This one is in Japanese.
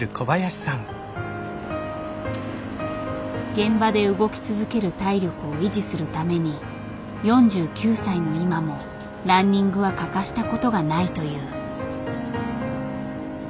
現場で動き続ける体力を維持するために４９歳の今もランニングは欠かしたことがないという。